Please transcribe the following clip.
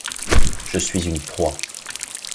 Je suis une proie.